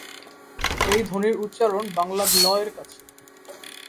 এই ধ্বনির উচ্চারণ বাংলা "গ্ল"-এর কাছে।